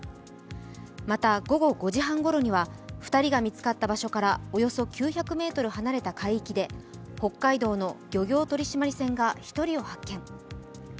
また午後５時半ごろには２人が見つかった場所からおよそ９００ｍ離れた海域で北海道の漁業取締船が１人を発見。